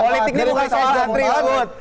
politik ini bukan soal atribut